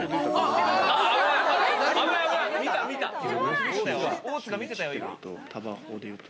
見た、見た。